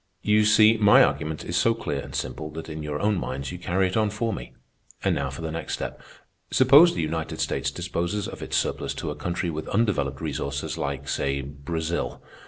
You see, my argument is so clear and simple that in your own minds you carry it on for me. And now for the next step. Suppose the United States disposes of its surplus to a country with undeveloped resources like, say, Brazil.